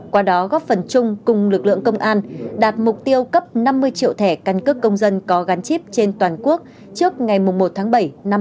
qua đó góp phần chung cùng lực lượng công an đạt mục tiêu cấp năm mươi triệu thẻ căn cước công dân có gắn chip trên toàn quốc trước ngày một tháng bảy năm hai nghìn hai mươi bốn